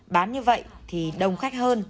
bán như vậy thì đông khách hơn